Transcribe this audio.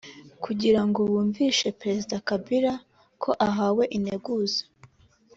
kugira ngo bumvishe Perezida Kabila ko ahawe integuza